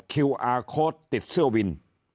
คิวอาร์โค้ดติดเสื้อวิน